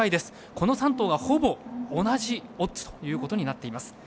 この３頭が、ほぼ同じオッズということになっています。